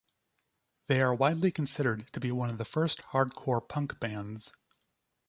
They are widely considered to be one of the first hardcore punk bands.